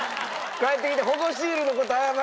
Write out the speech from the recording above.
帰ってきて！